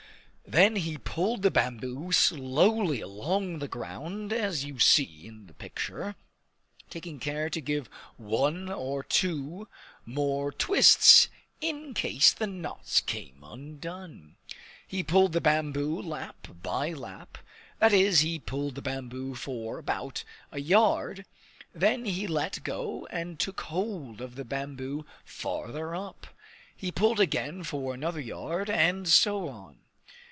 Then he pulled the bamboo slowly along the ground, as you see in the picture, taking care to give one or two more twists in case the knots came undone. He pulled the bamboo lap by lap; that is, he pulled the bamboo for about a yard, then he let go and took hold of the bamboo farther up; he pulled again for another yard, and so on.